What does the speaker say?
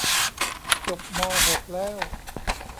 จบมอหกแล้ว